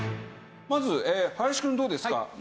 まず林くんどうですか？